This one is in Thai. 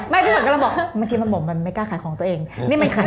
ไม่ใช่ไม่ใช่ไม่ใช่ไม่ใช่ไม่ใช่ไม่ใช่ไม่ใช่